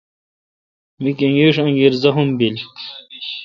می کنگیݭ انگیر زخم بیل۔